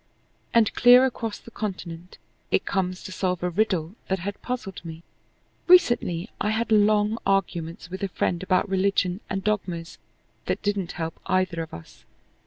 And clear across the continent it comes to solve a riddle that had puzzled me. Recently I had long arguments with a friend about religion and dogmas that didn't help either of us.